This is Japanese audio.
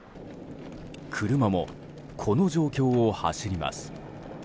車も、この状況を走ります。